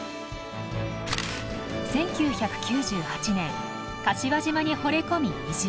１９９８年柏島にほれ込み移住。